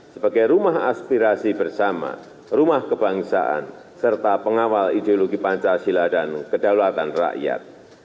sebagai rumah aspirasi berdasarkan kepentingan kepentingan dan kepentingan kepentingan